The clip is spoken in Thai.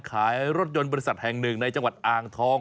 ขายรถยนต์บริษัทแห่งหนึ่งในจังหวัดอ่างทอง